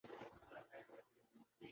کئی لوگ اب بھی اسے جھوٹ قرار دیتے ہیں